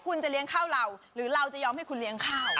คุณจะเลี้ยงข้าวเราหรือเราจะยอมให้คุณเลี้ยงข้าว